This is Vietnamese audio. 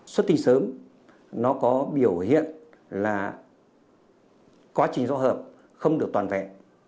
xuất tinh sớm nó có biểu hiện là quá trình giao hợp không được toàn vẹn